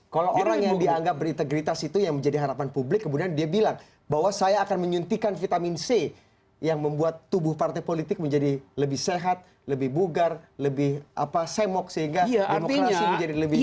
kalau orang yang dianggap berintegritas itu yang menjadi harapan publik kemudian dia bilang bahwa saya akan menyuntikan vitamin c yang membuat tubuh partai politik menjadi lebih sehat lebih bugar lebih semok sehingga demokrasi menjadi lebih baik